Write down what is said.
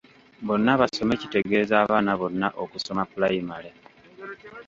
Bonna Basome kitegeeza abaana bonna okusoma pulayimale.